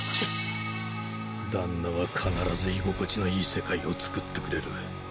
旦那は必ず居心地のいい世界を作ってくれる。